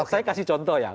saya kasih contoh ya